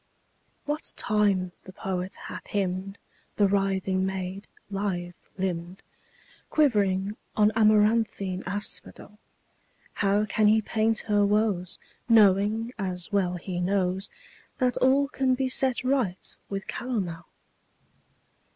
What time the poet hath hymned The writhing maid, lithe limbed, Quivering on amaranthine asphodel, How can he paint her woes, Knowing, as well he knows, That all can be set right with calomel?